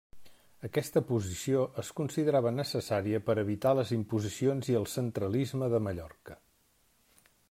Aquesta posició es considerava necessària per a evitar les imposicions i el centralisme de Mallorca.